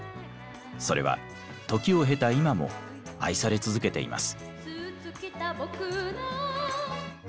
それは時を経た今も愛され続けています。